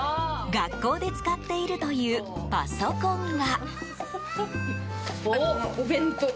学校で使っているというパソコンが。